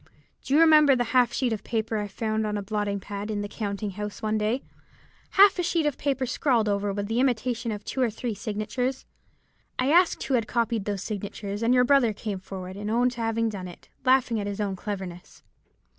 Do you remember the half sheet of paper I found on a blotting pad in the counting house one day; half a sheet of paper scrawled over with the imitation of two or three signatures? I asked who had copied those signatures, and your brother came forward and owned to having done it, laughing at his own cleverness.